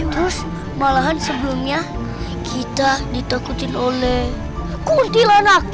terus malahan sebelumnya kita di takutin oleh gondel anak